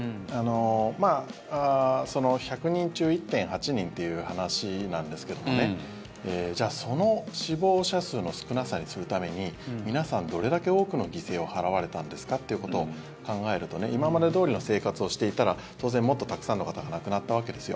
１００人中１．８人という話なんですけどねその死亡者数の少なさにするために皆さん、どれだけ多くの犠牲を払われたんですかってことを考えると今までどおりの生活をしていたら当然、もっとたくさんの方が亡くなったわけですよ。